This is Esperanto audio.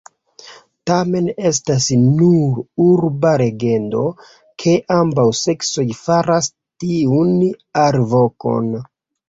Tamen estas nur urba legendo ke ambaŭ seksoj faras tiun alvokon.